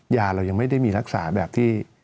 ยาเรายังไม่ได้มีรักษาแบบที่